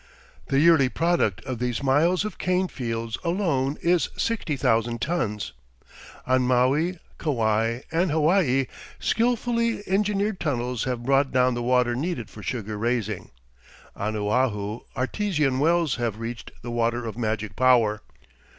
The yearly product of these miles of cane fields alone is 60,000 tons. On Maui, Kauai and Hawaii skilfully engineered tunnels have brought down the water needed for sugar raising. On Oahu artesian wells have reached "the water of magic power."